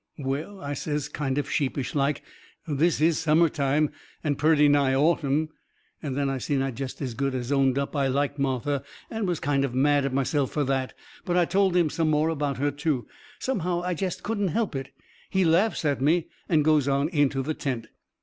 "Well," I says, kind of sheepish like, "this is summer time, and purty nigh autumn." Then I seen I'd jest as good as owned up I liked Martha, and was kind of mad at myself fur that. But I told him some more about her, too. Somehow I jest couldn't help it. He laughs at me and goes on into the tent.